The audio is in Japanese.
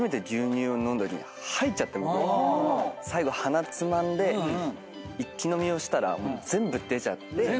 最後鼻つまんで一気飲みをしたら全部出ちゃって。